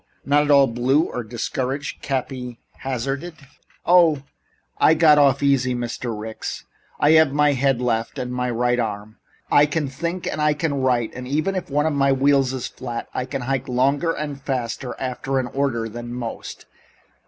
"Not at all blue or discouraged?" Cappy hazarded. "Oh, I got off easy, Mr. Ricks. I have my head left and my right arm. I can think and I can write, and even if one of my wheels is flat, I can hike longer and faster after an order than most.